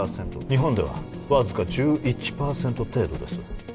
日本ではわずか１１％程度です